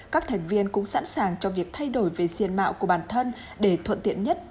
các thành viên cũng sẵn sàng cho việc thay đổi về diện mạo của bản thân để thuận tiện nhất